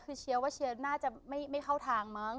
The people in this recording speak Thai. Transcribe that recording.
คือเชียร์ว่าเชียร์น่าจะไม่เข้าทางมั้ง